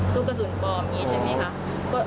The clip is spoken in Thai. ลูกกระสุนปลอมใช่มั้ยคะ